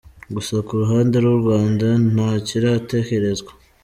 Gusa ku ruhande rw’u Rwanda ntakiratekerezwa.